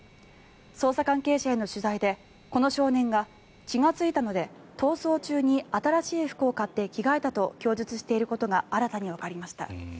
捜査関係者への取材でこの少年が血がついたので逃走中に新しい服を買って着替えたと供述していることが新たにわかりました。